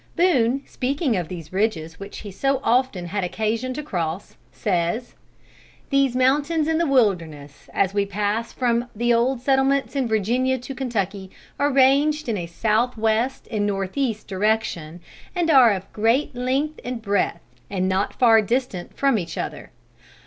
Boone, speaking of these ridges which he so often had occasion to cross, says: "These mountains in the wilderness, as we pass from the old settlements in Virginia to Kentucky, are ranged in a south west and north east direction and are of great length and breadth and not far distant from each other.